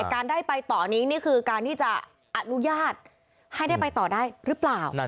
การได้ไปต่อนี้นี่คือการที่จะอนุญาตให้ได้ไปต่อได้หรือเปล่า